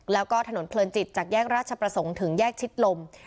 แล้วก็ถนนเพลินจิตจากแยกราชประสงค์ถึงแยกชิดลม